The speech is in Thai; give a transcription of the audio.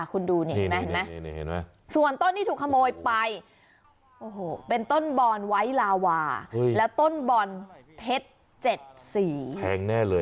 คุณดูเห็นไหมส่วนต้นที่ถูกขโมยไปเป็นต้นบ่อนไว้ลาวาแล้วต้นบ่อนเพชร๗สีแพงแน่เลย